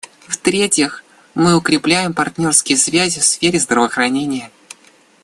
В-третьих, мы укрепляем партнерские связи в сфере здравоохранения.